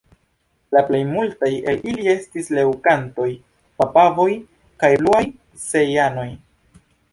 La plejmultaj el ili estis leŭkantoj, papavoj kaj bluaj cejanoj.